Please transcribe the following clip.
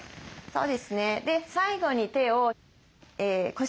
そうです。